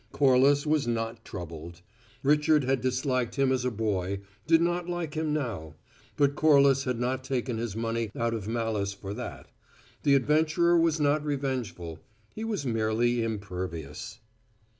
Corliss was not troubled. Richard had disliked him as a boy; did not like him now; but Corliss had not taken his money out of malice for that. The adventurer was not revengeful; he was merely impervious.